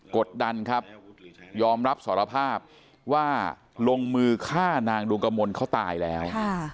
กดดันครับยอมรับสารภาพว่าลงมือฆ่านางดวงกมลเขาตายแล้ว